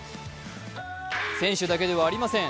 選手だけではありません。